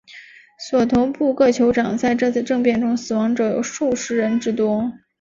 索头部各酋长在这次政变中死亡者有数十人之多。